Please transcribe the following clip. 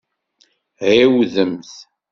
Ɛiwdemt!